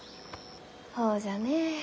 ほうじゃね。